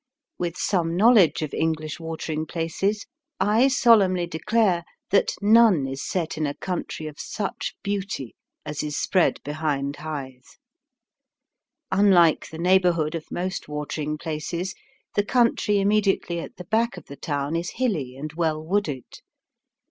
With some knowledge of English watering places, I solemnly declare that none is set in a country of such beauty as is spread behind Hythe. Unlike the neighbourhood of most watering places, the country immediately at the back of the town is hilly and well wooded.